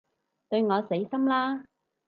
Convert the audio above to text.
對我死心啦